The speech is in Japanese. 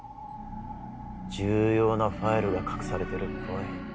重要なファイルが隠されてるっぽい。